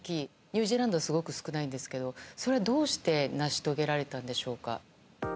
ニュージーランドはすごく少ないんですけどそれはどうして成し遂げられたんでしょうか。